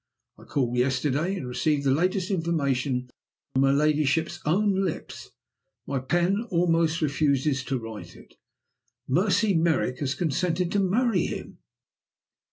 I called yesterday and received the latest information from her ladyship's own lips. My pen almost refuses to write it. Mercy Merrick has consented to marry him!